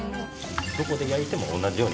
どこで焼いても同じように火が通る。